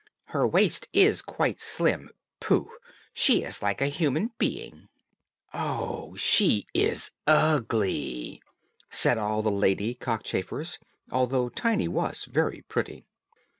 "Her waist is quite slim. Pooh! she is like a human being." "Oh! she is ugly," said all the lady cockchafers, although Tiny was very pretty.